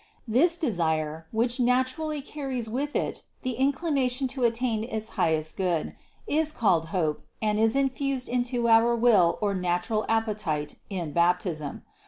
This desire, which naturally carries with it the inclination to attain this highest Good, is called hope and is infused into our will or natural ap petite in Baptism.